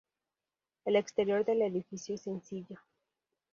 El exterior del edificio es sencillo.